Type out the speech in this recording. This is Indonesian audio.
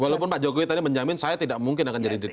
walaupun pak jokowi tadi menjamin saya tidak mungkin akan jadi dpp